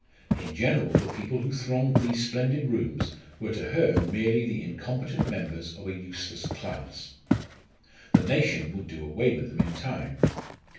In general, the people who thronged these splendid rooms were to her merely the incompetent members of a useless class. The nation would do away with them in time!